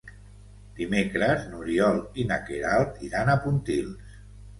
Dimecres n'Oriol i na Queralt iran a Pontils.